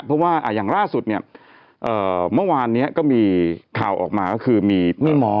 เพราะว่าอย่างล่าสุดเนี่ยเมื่อวานนี้ก็มีข่าวออกมาก็คือมีม้อ